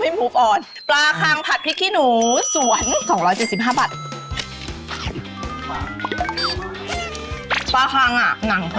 แล้วพ่อบอกว่านอกะลาที่เกร็ดอะเนี่ยเยอะ